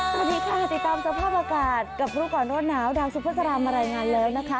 สวัสดีค่ะติดตามสภาพอากาศกับรูปกรณ์รวดหนาวดังซุปเปอร์สารามารายงานแล้วนะคะ